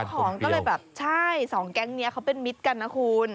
ของก็เลยแบบใช่สองแก๊งนี้เขาเป็นมิตรกันนะคุณ